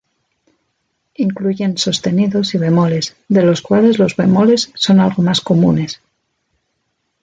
Incluyen sostenidos y bemoles, de los cuales los bemoles son algo más comunes.